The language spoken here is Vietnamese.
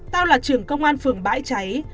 tao là trưởng công an phường bãi cháy